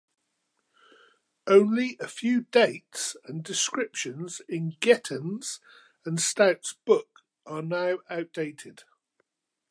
Only a few dates and descriptions in Gettens' and Stout's book are now outdated.